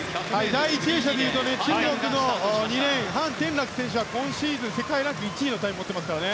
第１泳者でいうと中国の２レーンハン・テンラク選手は今シーズン世界ランク１位のタイムを持ってますからね。